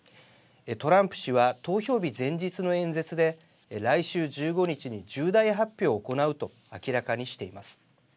トランプ氏は投票日前日の演説で来週１５日に重大発表を行うと明らかにしています。